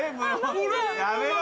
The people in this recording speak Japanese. やめろ！